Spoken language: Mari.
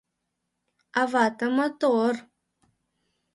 А вате мото-ор.